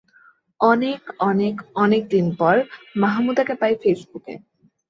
অনেক অনেক অনেক দিন পর, মাহমুদাকে পাই ফেসবুকে।